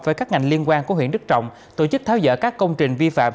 với các ngành liên quan của huyện đức trọng tổ chức tháo dỡ các công trình vi phạm